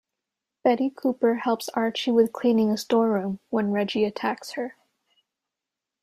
Betty Cooper helps Archie with cleaning a store room, when Reggie attacks her.